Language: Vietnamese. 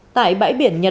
tại bãi biển nhật lệ